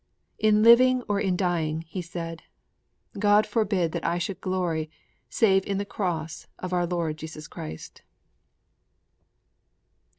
'In living or in dying,' he said, '_God forbid that I should glory save in the Cross of our Lord Jesus Christ!